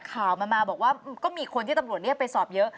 ข่าวมันมาบอกว่าก็มีคนที่ตำรวจเรียกไปสอบเยอะ